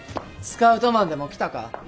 スカウトマンでも来たか？